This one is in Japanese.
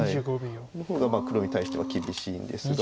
の方が黒に対しては厳しいんですが。